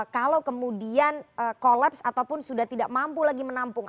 kalau kemudian kolaps ataupun sudah tidak mampu lagi menampung